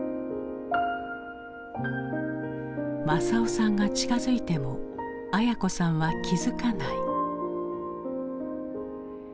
政男さんが近づいても文子さんは気付かない。